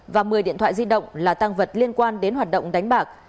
và một mươi điện thoại di động là tăng vật liên quan đến hoạt động đánh bạc